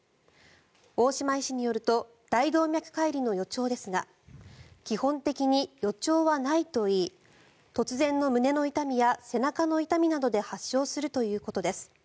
大島医師によると大動脈解離の予兆ですが基本的に予兆はないといい突然の胸の痛みや背中の痛みなどで発症するということです。